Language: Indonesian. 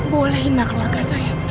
boleh hina keluarga saya